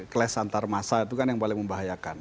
class antar masa itu kan yang paling membahayakan